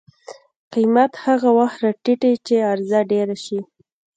قیمت هغه وخت راټیټي چې عرضه ډېره شي.